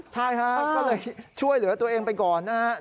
ใช่ครับก็เลยช่วยเหลือตัวเองไปก่อนนะครับ